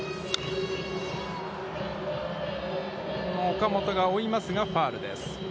岡本が追いますが、ファウルです。